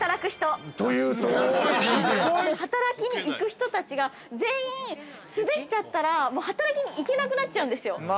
◆働き行く人たちが全員滑っちゃったら、働きに行けなくなっちゃうんですよ。